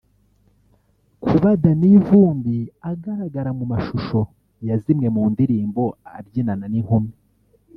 Kuba Danny Vumbi agaragara mu mashusho ya zimwe mu ndirimbo abyinana n’inkumi